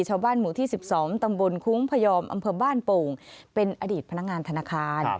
ชาวบ้านหมู่ที่๑๒ตำบลคุ้งพยอมอำเภอบ้านโป่งเป็นอดีตพนักงานธนาคาร